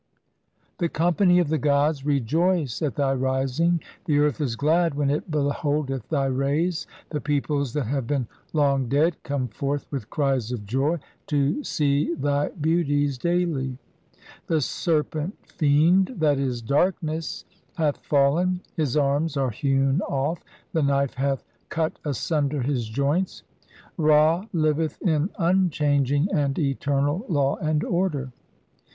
The company of the gods "rejoice at thy rising, the earth is glad when it be "holdeth thy rays, the peoples that have been long "dead come forth with cries of joy to see thy beau "ties daily The Serpent fiend (/. c, Darkness) "hath fallen, his arms are hewn off, the knife hath "cut asunder his joints. Ra liveth in unchanging and "eternal law and order."